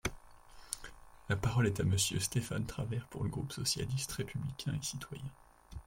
La parole est à Monsieur Stéphane Travert, pour le groupe socialiste, républicain et citoyen.